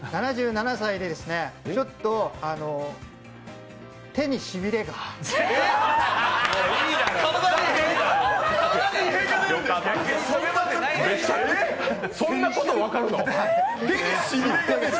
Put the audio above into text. ７７歳でちょっと手にしびれがそんなこと分かるの？